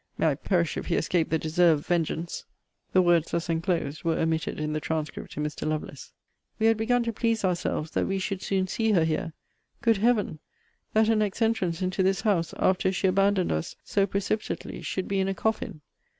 may I perish if he escape the deserved vengeance!]* * The words thus enclosed [] were omitted in the transcript to Mr. Lovelace. We had begun to please ourselves that we should soon see her here Good Heaven! that her next entrance into this house, after she abandoned us so precipitately, should be in a coffin.